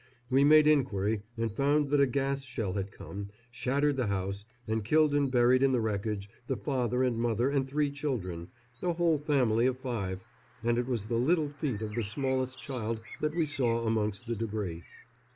We made inquiry and found that a gas shell had come, shattered the house, and killed and buried in the wreckage the father and mother and three children a whole family of five, and it was the little feet of the smallest child that we saw amongst the debris.